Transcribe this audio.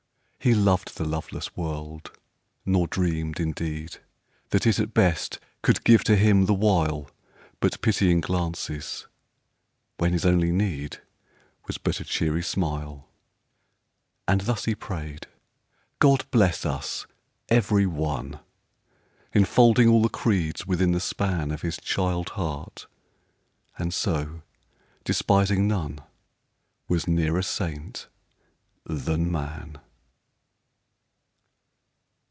He loved the loveless world, nor dreamed, in deed. That it, at best, could give to him, the while. But pitying glances, when his only need Was but a cheery smile. And thus he prayed, " God bless us every one!" Enfolding all the creeds within the span Of his child heart; and so, despising none, Was nearer saint than man.